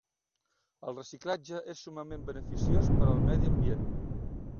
El reciclatge és summament beneficiós per al medi ambient.